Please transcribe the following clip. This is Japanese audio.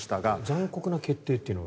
残酷な決定というのは？